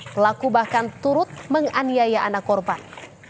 pelaku bahkan turut menganiaya anak korban